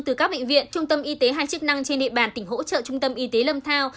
từ các bệnh viện trung tâm y tế hay chức năng trên địa bàn tỉnh hỗ trợ trung tâm y tế lâm thao